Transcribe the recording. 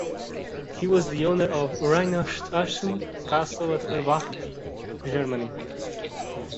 He was the owner of Reinhartshausen Castle at Erbach, Germany.